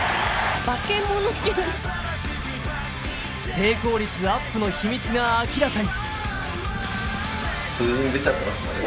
成功率アップの秘密が明らかに。